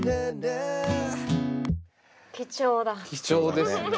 貴重ですね。